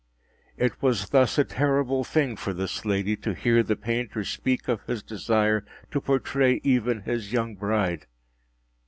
It was thus a terrible thing for this lady to hear the painter speak of his desire to portray even his young bride.